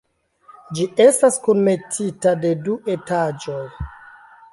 Ĝi estas kunmetita de du etaĝoj.